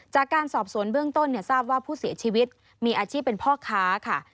จากการสอบสวนเบื้องต้นทราบว่าผู้เสียชีวิตมีอาชีพเป็นพ่อค้าค่ะ